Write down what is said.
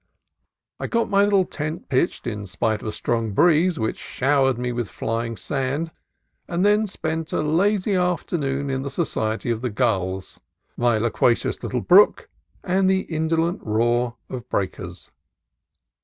I got my little tent pitched in spite of a strong breeze which showered me with flying sand; and then spent a lazy after noon in the society of the gulls, my loquacious little brook, and the indolent roar of breakers.